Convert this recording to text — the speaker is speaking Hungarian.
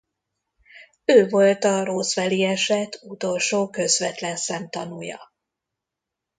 Ő volt a roswelli eset utolsó közvetlen szemtanúja.